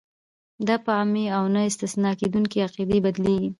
دا په عامې او نه استثنا کېدونکې قاعدې بدلیږي.